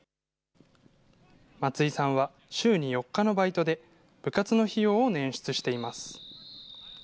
松井さんは、週に４日のバイトで部活の費用をねん出しています。